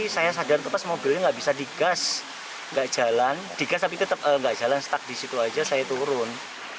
saya sadar ke pas mobilnya nggak bisa digas nggak jalan digas tapi tetap nggak jalan stuck di situ aja saya turun